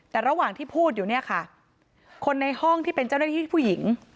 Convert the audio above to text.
แต่ระหว่างที่พูดอยู่เนี่ยค่ะคนในห้องที่เป็นเจ้าหน้าที่ผู้หญิง